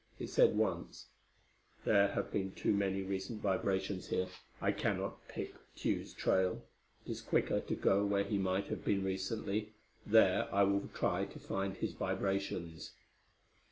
It said, once: "There have been too many recent vibrations here: I cannot pick Tugh's trail. It is quicker to go where he might have been recently; there I will try to find his vibrations."